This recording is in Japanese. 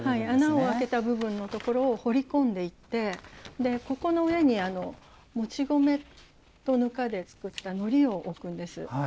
穴を開けた部分のところを彫り込んでいってここの上にもち米とぬかで作ったのりを置くんです。